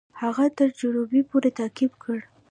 هغه تر جروبي پوري تعقیب کړ.